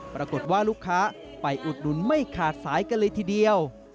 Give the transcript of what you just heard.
ปรากฏว่าลูกค้าไปอุดหนุนไม่ขาดสายกันเลยทีเดียว